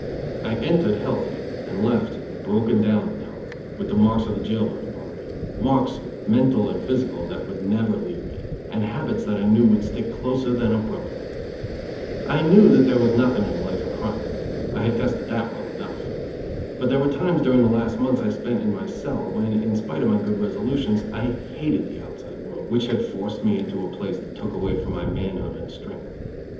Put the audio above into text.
I entered healthy, and left broken down in health, with the marks of the jail bird upon me; marks, mental and physical, that would never leave me, and habits that I knew would stick closer than a brother. I knew that there was nothing in a life of crime. I had tested that well enough. But there were times during the last months I spent in my cell, when, in spite of my good resolutions, I hated the outside world which had forced me into a place that took away from my manhood and strength.